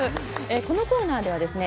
このコーナーではですね